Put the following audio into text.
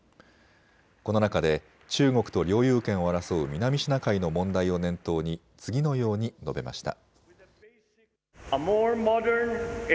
この中で中国と領有権を争う南シナ海の問題を念頭に次のように述べました。